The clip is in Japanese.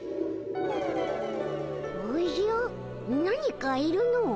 何かいるの。